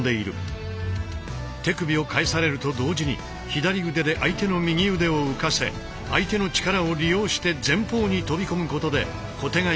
手首を返されると同時に左腕で相手の右腕を浮かせ相手の力を利用して前方に飛び込むことで小手返しを返しているのだ。